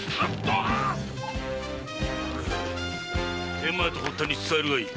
天満屋と堀田に伝えるがいい。